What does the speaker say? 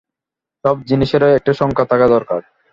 সব জিনিসেরই একটা সংজ্ঞা থাকা দরকার।